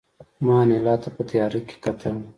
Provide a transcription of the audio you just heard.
ما انیلا ته په تیاره کې کتل